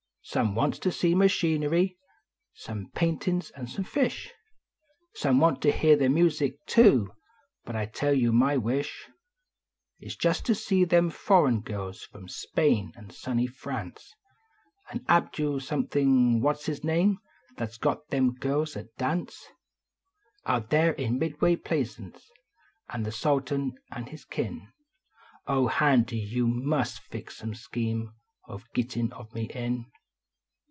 Some wants to see machinery, some paintin s, and some fish, Some want to hear the music too, but I tell you my wish Is just to see them foreign girls from Spain an sunny France, An Abdul Something, what s his name, that s got them girls at dance Out there in Midway Plaisance, an the Sultan an his kin. Oil, Handy, you must fix some scheme Of gittin of me in.